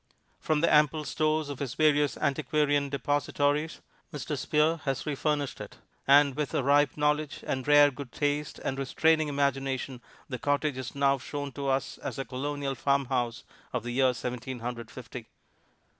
From the ample stores of his various antiquarian depositories Mr. Spear has refurnished it; and with a ripe knowledge and rare good taste and restraining imagination, the cottage is now shown to us as a Colonial farmhouse of the year Seventeen Hundred Fifty.